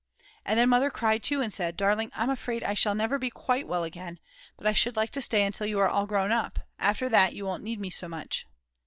And then Mother cried too and said: "Darling, I'm afraid I shall never be quite well again, but I should like to stay until you are all grown up; after that you won't need me so much."